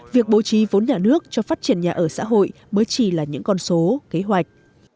việc bố trí vốn nhà nước cho phát triển nhà ở xã hội mới chỉ là những con số kế hoạch